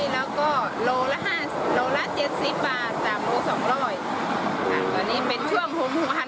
ตั้งแต่ราคาทุกพุธไปตามเกณฑ์ตั้งแต่๓โล๑๐๐บาท๒โล๑๐๐บาทแล้วก็โลละ๗๐บาท๓โล๒๐๐บาท